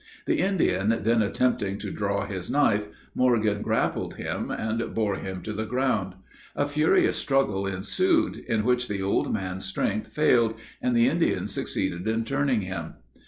The Indian then attempting to draw his knife, Morgan grappled him, and bore him to the ground. A furious struggle ensued, in which the old man's strength failed, and the Indian succeeded in turning him.